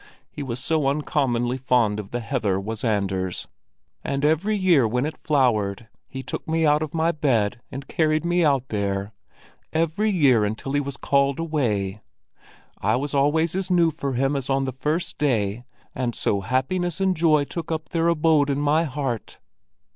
He was so uncommonly fond of the heather, was Anders, and every year when it flowered, he took me out of my bed and carried me out there—every year until he was called away. I was always as new for him as on the first day, and so happiness and joy took up their abode in my heart."